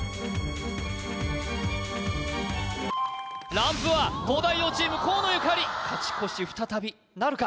ランプは東大王チーム河野ゆかり勝ち越し再びなるか？